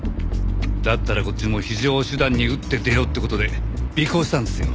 だったらこっちも非常手段に打って出ようって事で尾行したんですよ。